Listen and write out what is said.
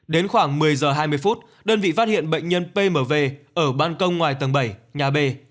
đến khoảng một mươi giờ hai mươi phút đơn vị phát hiện bệnh nhân pmv ở ban công ngoài tầng bảy nhà b